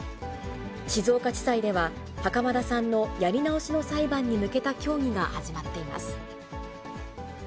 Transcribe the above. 静岡地裁では、袴田さんのやり直しの裁判に向けた協議が始まっています。